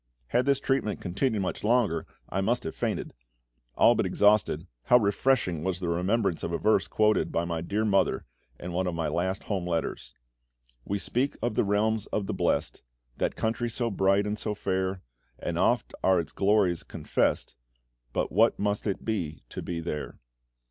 Had this treatment continued much longer, I must have fainted. All but exhausted, how refreshing was the remembrance of a verse quoted by my dear mother in one of my last home letters "We speak of the realms of the blest, That country so bright and so fair, And oft are its glories confessed; But what must it be to be there!"